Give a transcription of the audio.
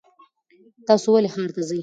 تاسو ولې ښار ته ځئ؟